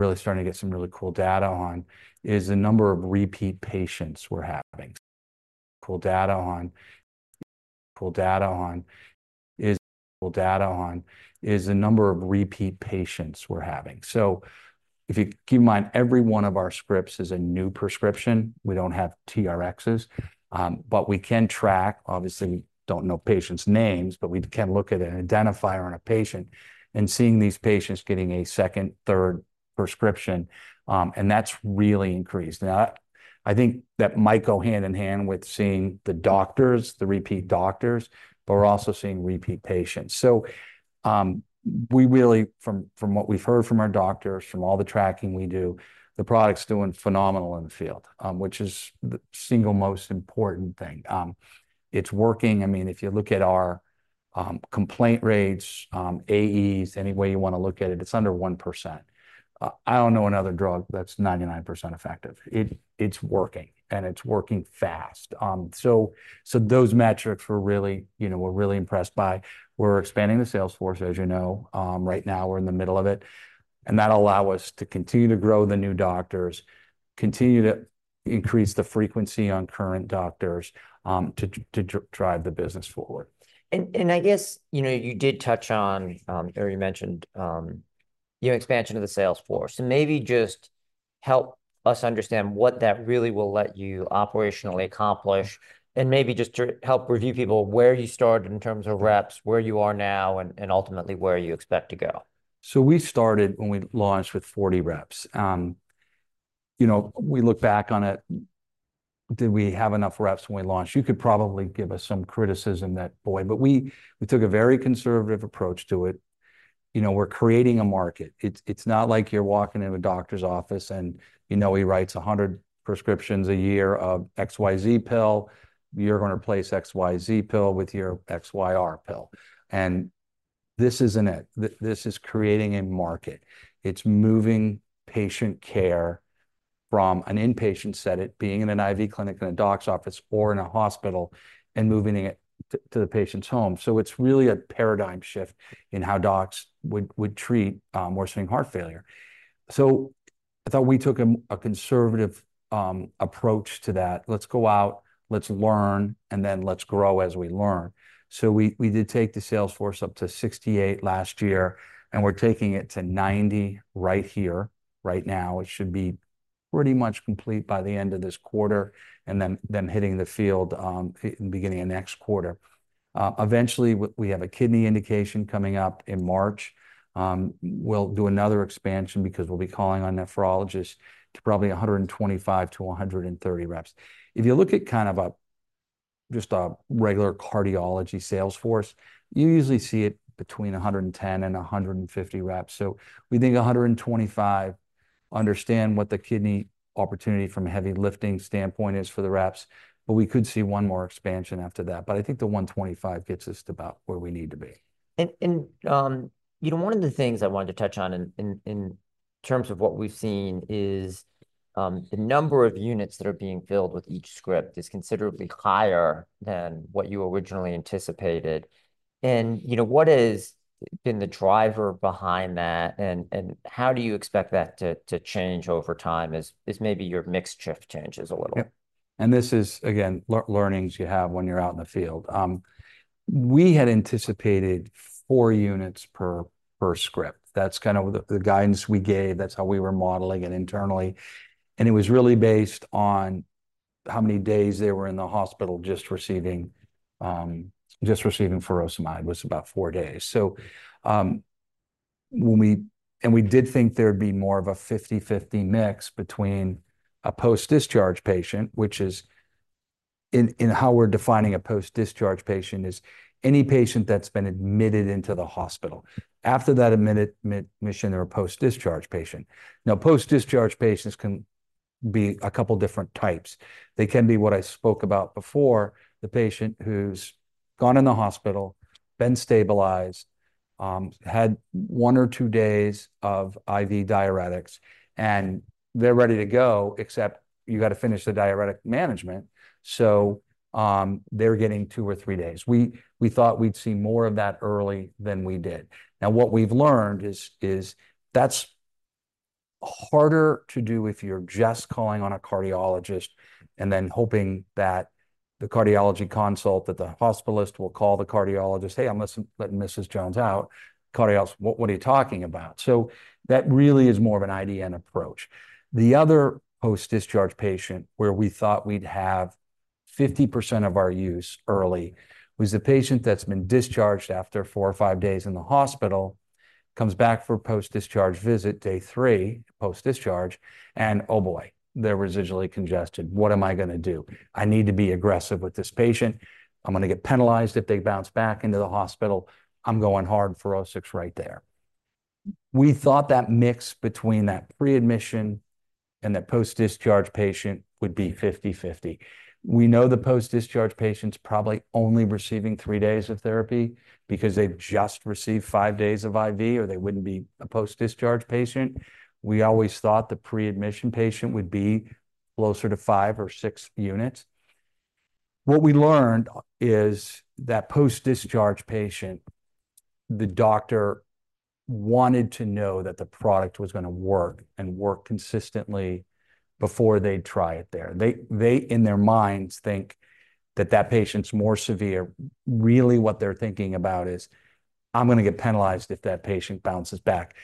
Really starting to get some really cool data on the number of repeat patients we're having. So if you keep in mind, every one of our scripts is a new prescription. We don't have TRXs, but we can track. Obviously, we don't know patients' names, but we can look at an identifier on a patient, and seeing these patients getting a second, third prescription, and that's really increased. Now, I think that might go hand in hand with seeing the doctors, the repeat doctors, but we're also seeing repeat patients. So, we really, from what we've heard from our doctors, from all the tracking we do, the product's doing phenomenal in the field, which is the single most important thing. It's working. I mean, if you look at our complaint rates, AEs, any way you want to look at it, it's under 1%. I don't know another drug that's 99% effective. It, it's working, and it's working fast. So those metrics we're really, you know, we're really impressed by. We're expanding the sales force, as you know. Right now, we're in the middle of it, and that'll allow us to continue to grow the new doctors, continue to increase the frequency on current doctors, to drive the business forward. I guess, you know, you did touch on or you mentioned, you know, expansion of the sales force, and maybe just help us understand what that really will let you operationally accomplish, and maybe just to help review people where you started in terms of reps, where you are now, and ultimately, where you expect to go? So we started when we launched with forty reps. You know, we look back on it, did we have enough reps when we launched? You could probably give us some criticism that, boy, but we took a very conservative approach to it. You know, we're creating a market. It's not like you're walking into a doctor's office, and you know he writes 100 prescriptions a year of XYZ pill. You're going to replace XYZ pill with your XYR pill, and this isn't it. This is creating a market. It's moving patient care from an inpatient setting, being in an IV clinic, in a doc's office, or in a hospital, and moving it to the patient's home. So it's really a paradigm shift in how docs would treat worsening heart failure. So I thought we took a conservative approach to that. Let's go out, let's learn, and then let's grow as we learn, so we did take the sales force up to 68 last year, and we're taking it to 90 right here, right now. It should be pretty much complete by the end of this quarter, and then hitting the field beginning of next quarter. Eventually, we have a kidney indication coming up in March. We'll do another expansion because we'll be calling on nephrologists to probably 125-130 reps. If you look at kind of just a regular cardiology sales force, you usually see it between 110-150 reps. So we think 125 understand what the kidney opportunity from a heavy lifting standpoint is for the reps, but we could see one more expansion after that. But I think the 125 gets us to about where we need to be. You know, one of the things I wanted to touch on in terms of what we've seen is the number of units that are being filled with each script is considerably higher than what you originally anticipated. You know, what has been the driver behind that, and how do you expect that to change over time as maybe your mix shift changes a little? Yeah, and this is, again, learnings you have when you're out in the field. We had anticipated four units per script. That's kind of the guidance we gave. That's how we were modeling it internally, and it was really based on how many days they were in the hospital just receiving furosemide, was about four days. So, when we... and we did think there'd be more of a 50/50 mix between a post-discharge patient, which is in how we're defining a post-discharge patient is any patient that's been admitted into the hospital. After that admission, they're a post-discharge patient. Now, post-discharge patients can be a couple different types. They can be what I spoke about before, the patient who's gone in the hospital, been stabilized, had one or two days of IV diuretics, and they're ready to go, except you got to finish the diuretic management, so they're getting two or three days. We thought we'd see more of that early than we did. Now, what we've learned is that's harder to do if you're just calling on a cardiologist and then hoping that the cardiology consult, that the hospitalist will call the cardiologist, "Hey, I'm letting Mrs. Jones out." Cardiologist: "What are you talking about?" So that really is more of an IDN approach. The other post-discharge patient, where we thought we'd have 50% of our use early, was the patient that's been discharged after four or five days in the hospital, comes back for a post-discharge visit, day three, post-discharge, and, oh, boy, they're residually congested. What am I gonna do? I need to be aggressive with this patient. I'm gonna get penalized if they bounce back into the hospital. I'm going hard for Furoscix right there. We thought that mix between that pre-admission and that post-discharge patient would be 50/50. We know the post-discharge patient's probably only receiving three days of therapy because they've just received five days of IV, or they wouldn't be a post-discharge patient. We always thought the pre-admission patient would be closer to five or six units. What we learned is that post-discharge patient, the doctor wanted to know that the product was going to work and work consistently before they'd try it there. They in their minds think that that patient's more severe. Really, what they're thinking about is, "I'm going to get penalized if that patient bounces back.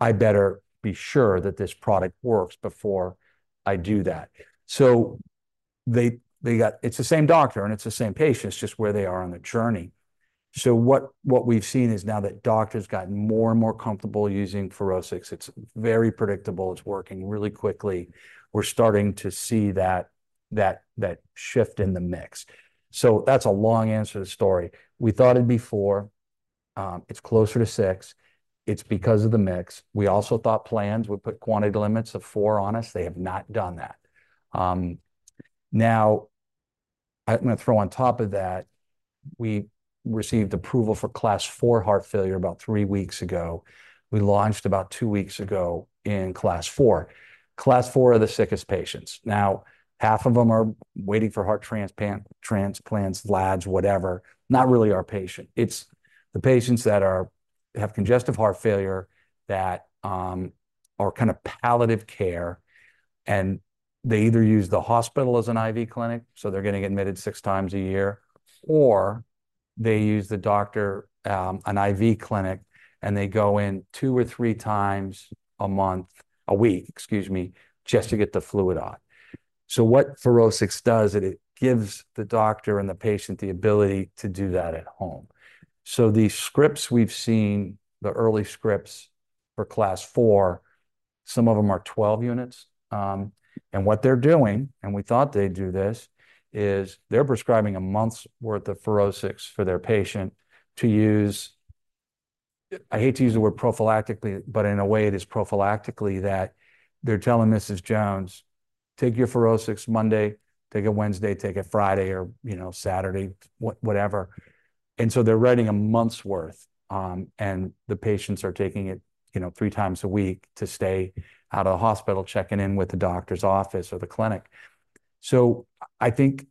I better be sure that this product works before I do that," so they got- It's the same doctor, and it's the same patient. It's just where they are on the journey. What we've seen is now that doctors have gotten more and more comfortable using Furoscix, it's very predictable, it's working really quickly, we're starting to see that shift in the mix, so that's a long answer to the story. We thought it'd be four, it's closer to six. It's because of the mix. We also thought plans would put quantity limits of four on us. They have not done that. Now, I'm going to throw on top of that, we received approval for Class IV heart failure about three weeks ago. We launched about two weeks ago in Class IV. Class IV are the sickest patients. Now, half of them are waiting for heart transplants, VADs, whatever. Not really our patient. It's the patients that have congestive heart failure, that are kind of palliative care, and they either use the hospital as an IV clinic, so they're getting admitted six times a year, or they use the doctor, an IV clinic, and they go in two or three times a week, excuse me, just to get the fluid on. So what Furoscix does is it gives the doctor and the patient the ability to do that at home. So the scripts we've seen, the early scripts for Class IV, some of them are 12 units, and what they're doing, and we thought they'd do this, is they're prescribing a month's worth of Furoscix for their patient to use. I hate to use the word prophylactically, but in a way, it is prophylactically, that they're telling Mrs. Jones, "Take your Furoscix Monday, take it Wednesday, take it Friday or, you know, Saturday," whatever. So they're writing a month's worth, and the patients are taking it, you know, 3× a week to stay out of the hospital, checking in with the doctor's office or the clinic. So I think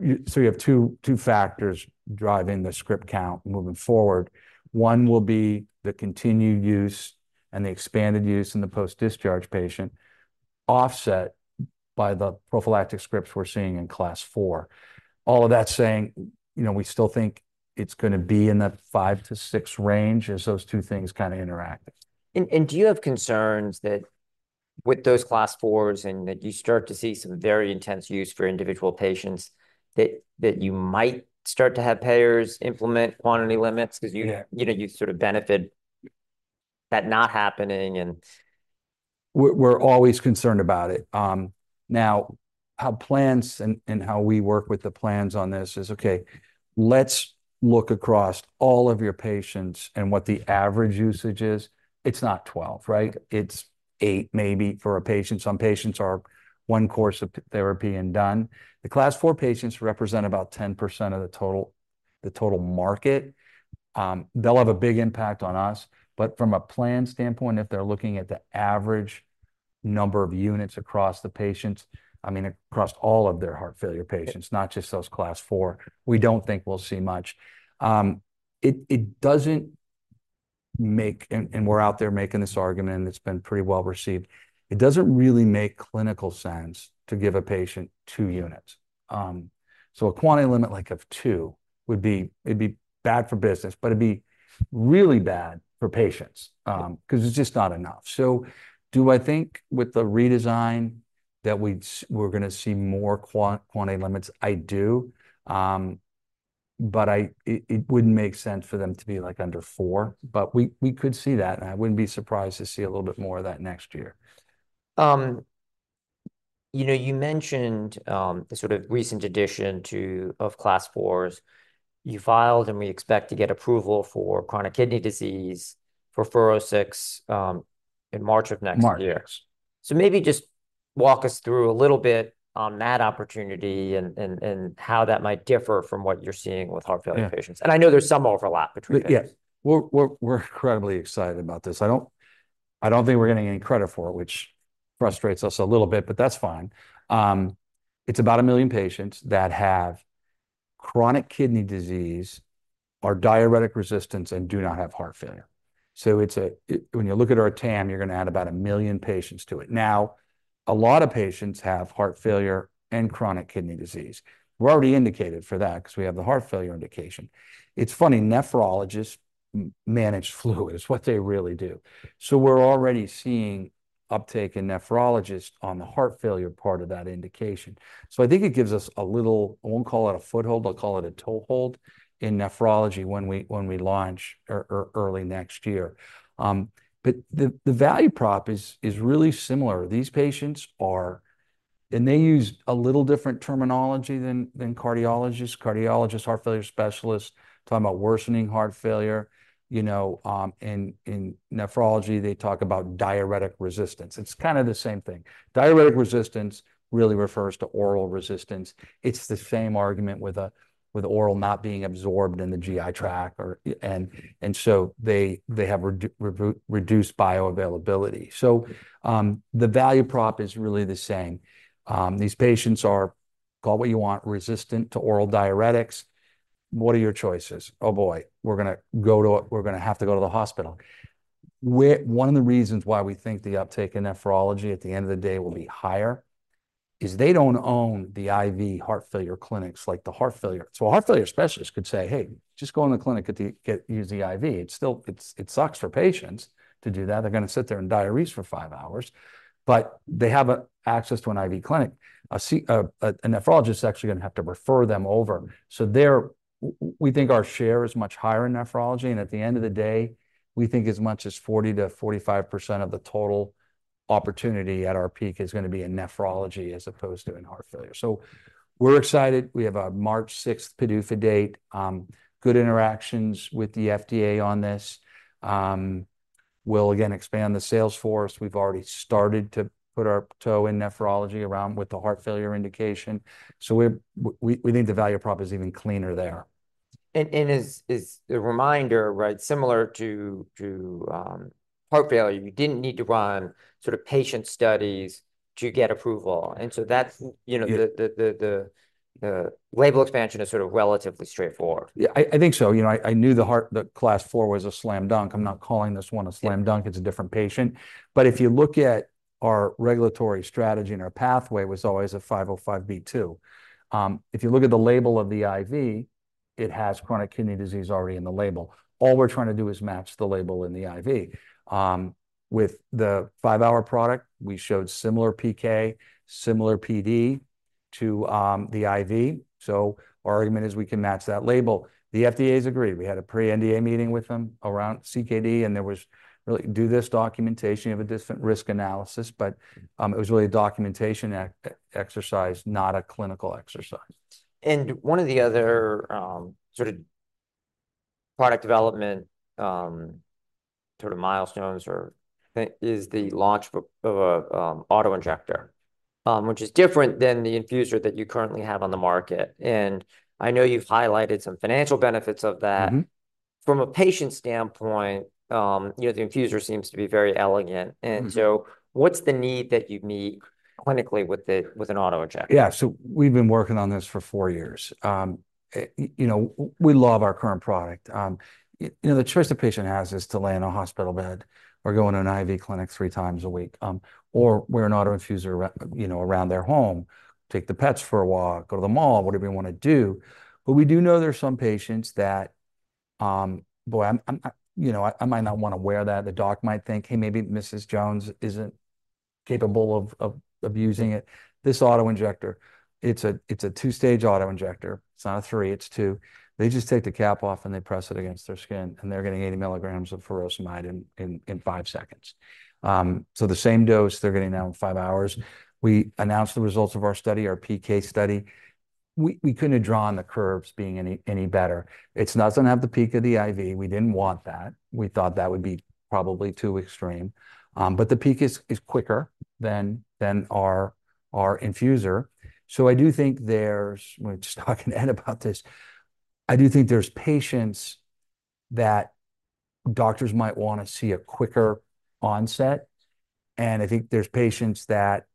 you have two factors driving the script count moving forward. One will be the continued use and the expanded use in the post-discharge patient, offset by the prophylactic scripts we're seeing in Class IV. All of that saying, you know, we still think it's going to be in the five to six range as those two things kind of interact. Do you have concerns that with those Class IVs and that you start to see some very intense use for individual patients, that you might start to have payers implement quantity limits because you know, you sort of benefit that not happening, and... We're always concerned about it. Now, how plans and how we work with the plans on this is, okay, let's look across all of your patients and what the average usage is. It's not 12, right? It's eight, maybe, for a patient. Some patients are one course of therapy and done. The Class IV patients represent about 10% of the total market. They'll have a big impact on us, but from a plan standpoint, if they're looking at the average number of units across the patients, I mean, across all of their heart failure patients, not just those Class IV, we don't think we'll see much. It doesn't make... and we're out there making this argument. It's been pretty well-received. It doesn't really make clinical sense to give a patient 2 units. So a quantity limit, like, of two would be bad for business, but it'd be really bad for patients, 'cause it's just not enough. Do I think with the redesign that we're going to see more quantity limits? I do, but it wouldn't make sense for them to be, like, under four, but we could see that, and I wouldn't be surprised to see a little bit more of that next year. You know, you mentioned the sort of recent addition of Class IVs. You filed, and we expect to get approval for chronic kidney disease for Furoscix in March of next year. March, yes. So maybe just walk us through a little bit on that opportunity and how that might differ from what you're seeing with heart failure patients, and I know there's some overlap between patients. Yeah. We're incredibly excited about this. I don't think we're getting any credit for it, which frustrates us a little bit, but that's fine. It's about a million patients that have chronic kidney disease, are diuretic resistance, and do not have heart failure. So it's when you look at our TAM, you're going to add about a million patients to it. Now, a lot of patients have heart failure and chronic kidney disease. We're already indicated for that because we have the heart failure indication. It's funny, nephrologists manage fluid. It's what they really do. So we're already seeing uptake in nephrologists on the heart failure part of that indication. So I think it gives us a little. I won't call it a foothold, but I'll call it a toehold in nephrology when we launch early next year. But the value prop is really similar, and they use a little different terminology than cardiologists. Cardiologists, heart failure specialists, talk about worsening heart failure. You know, in nephrology, they talk about diuretic resistance. It's kind of the same thing. Diuretic resistance really refers to oral resistance. It's the same argument with oral not being absorbed in the GI tract or, and so they have reduced bioavailability, so the value prop is really the same. Call what you want, resistant to oral diuretics, what are your choices? Oh, boy, we're going to have to go to the hospital. One of the reasons why we think the uptake in nephrology at the end of the day will be higher is they don't own the IV heart failure clinics like the heart failure. So a heart failure specialist could say, "Hey, just go in the clinic, get, use the IV." It's still, it sucks for patients to do that. They're going to sit there and diurese for five hours, but they have access to an IV clinic. A nephrologist is actually going to have to refer them over. So we think our share is much higher in nephrology, and at the end of the day, we think as much as 40%-45% of the total opportunity at our peak is going to be in nephrology as opposed to in heart failure. So we're excited. We have a March 6th PDUFA date. Good interactions with the FDA on this. We'll again expand the sales force. We've already started to put our toe in nephrology around with the heart failure indication. So we think the value prop is even cleaner there. As a reminder, right, similar to heart failure, you didn't need to run sort of patient studies to get approval, and so that's, you know the label expansion is sort of relatively straightforward. Yeah, I think so. You know, I knew the Class IV was a slam dunk. I'm not calling this one a slam dunk. It's a different patient, but if you look at our regulatory strategy, and our pathway was always a 505(b)(2). If you look at the label of the IV, it has chronic kidney disease already in the label. All we're trying to do is match the label in the IV. With the five-hour product, we showed similar PK, similar PD, to the IV, so our argument is we can match that label. The FDA's agreed. We had a pre-NDA meeting with them around CKD, and there was really just this documentation. You have a different risk analysis, but it was really a documentation exercise, not a clinical exercise. One of the other sort of product development sort of milestones is the launch of an auto-injector, which is different than the infusor that you currently have on the market, and I know you've highlighted some financial benefits of that. From a patient standpoint, you know, the infusor seems to be very elegant and so what's the need that you meet clinically with an auto-injector? Yeah, so we've been working on this for four years. You know, we love our current product. You know, the choice the patient has is to lay in a hospital bed or go into an IV clinic three times a week, or wear an auto infusor around, you know, around their home, take the pets for a walk, go to the mall, whatever you want to do. But we do know there are some patients that, "Boy, I'm, you know, I might not want to wear that." The doc might think, "Hey, maybe Mrs. Jones isn't capable of using it." This auto-injector, it's a two-stage auto-injector. It's not a three, it's two. They just take the cap off, and they press it against their skin, and they're getting 8 mg of furosemide in five seconds. So the same dose they're getting now in five hours. We announced the results of our study, our PK study. We couldn't have drawn the curves being any better. It's not going to have the peak of the IV. We didn't want that. We thought that would be probably too extreme. But the peak is quicker than our infusor. So I do think there's... We're just talking, Ed, about this. I do think there's patients that doctors might want to see a quicker onset, and I think there's patients that,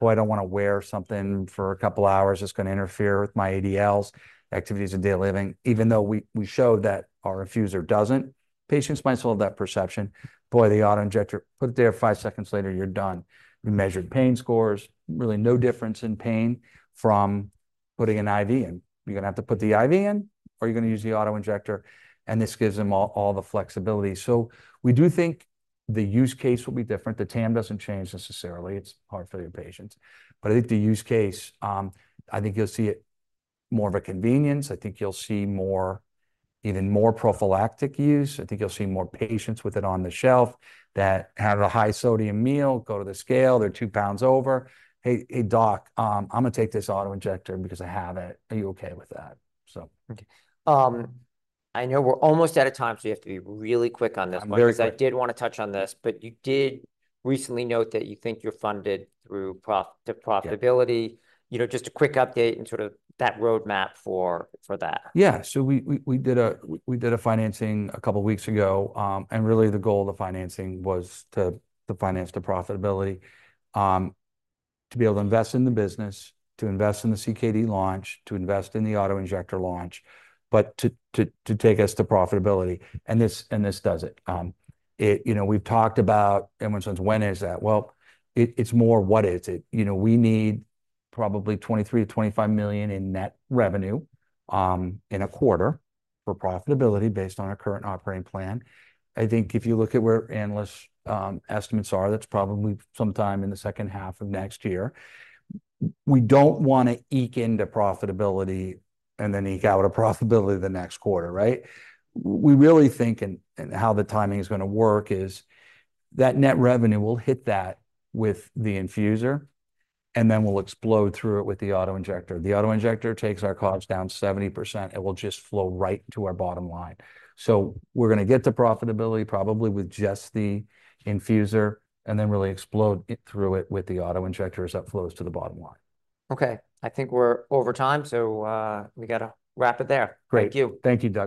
"Oh, I don't want to wear something for a couple of hours. It's going to interfere with my ADLs, activities of daily living," even though we showed that our infusor doesn't. Patients might still have that perception. Boy, the auto-injector, put it there, five seconds later, you're done. We measured pain scores, really no difference in pain from putting an IV in. You're going to have to put the IV in, or you're going to use the auto-injector, and this gives them all the flexibility. So we do think the use case will be different. The TAM doesn't change necessarily. It's heart failure patients. But I think the use case, I think you'll see it more of a convenience. I think you'll see more, even more prophylactic use. I think you'll see more patients with it on the shelf that had a high sodium meal, go to the scale, they're two pounds over. Hey, hey, Doc, I'm going to take this auto-injector because I have it. Are you okay with that?" So... Okay. I know we're almost out of time, so you have to be really quick on this one. I'm very quick. Because I did want to touch on this, but you did recently note that you think you're funded through to profitability. You know, just a quick update and sort of that roadmap for that. Yeah. So we did a financing a couple of weeks ago, and really the goal of the financing was to finance to profitability, to be able to invest in the business, to invest in the CKD launch, to invest in the auto-injector launch, but to take us to profitability, and this does it. You know, we've talked about, everyone says, "When is that?" Well, it's more what is it? You know, we need probably $23 million-$25 million in net revenue in a quarter for profitability, based on our current operating plan. I think if you look at where analysts' estimates are, that's probably sometime in the second half of next year. We don't want to eke into profitability and then eke out a profitability the next quarter, right? We really think, and how the timing is going to work is, that net revenue will hit that with the infusor, and then we'll explode through it with the auto-injector. The auto-injector takes our costs down 70%. It will just flow right to our bottom line. So we're going to get to profitability probably with just the infusor, and then really explode through it with the auto-injector as that flows to the bottom line. Okay, I think we're over time, so, we got to wrap it there. Great. Thank you. Thank you, Dan.